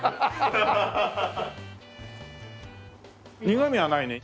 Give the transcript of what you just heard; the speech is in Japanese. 苦味はないね。